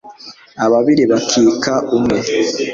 ababiri bakika umwe